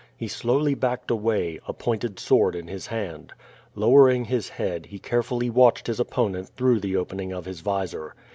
He slowly backed away, a pointed sword in his hand. Ijow ering his head he carefully watched his opponent through the opening of his visor.